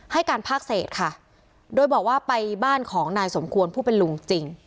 ให้การภาคเศษค่ะโดยบอกว่าไปบ้านของนายสมควรผู้เป็นลุงจริง